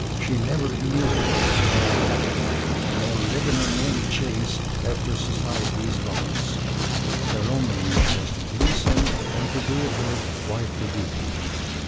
She never humiliated him by cackle, nor led him a merry chase after society's baubles. Her only wish was to please him and to do her wifely duty.